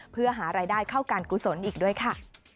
เพื่อหารายได้เข้าการกุศลอีกด้วยค่ะ